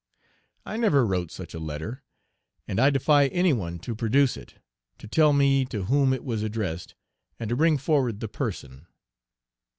I never wrote such a letter, and I defy any one to produce it, to tell me to whom it was addressed, and to bring forward the person.